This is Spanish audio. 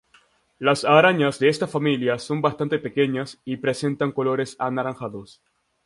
Las arañas de esta familia son bastante pequeñas y presentan colores anaranjados.